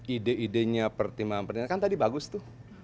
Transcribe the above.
ide idenya pertimbangan pertimbangan kan tadi bagus tuh